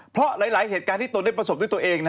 เพราะหลายเหตุการณ์ที่ตนได้ประสบด้วยตัวเอง